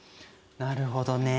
なるほどね。